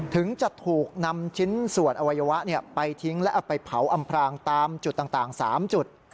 ถึงจะถูกนำชิ้นส่วนอวัยวะไปทิ้งและเอาไปเผาอำพรางตามจุดต่าง๓จุด